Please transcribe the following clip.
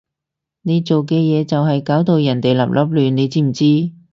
你做嘅嘢就係搞到人哋立立亂，你知唔知？